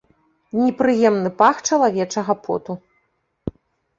Непрыемны пах чалавечага поту.